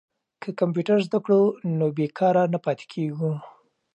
که کمپیوټر زده کړو نو بې کاره نه پاتې کیږو.